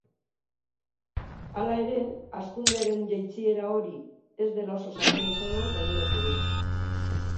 Hala ere, hazkundearen jeitsiera hori ez dela oso sakona izango gaineratu du.